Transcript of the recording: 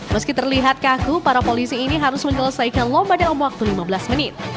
meski terlihat kaku para polisi ini harus menyelesaikan lomba dalam waktu lima belas menit